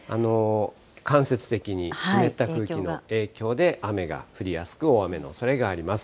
間接的に、湿った空気の影響で雨が降りやすく、大雨のおそれがあります。